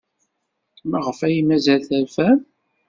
Maɣef ay mazal terfam?